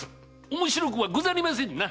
面白くはござりませぬな！